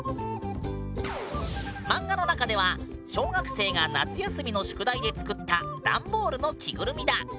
漫画の中では小学生が夏休みの宿題で作った段ボールの着ぐるみだ。